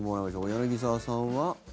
柳澤さんは。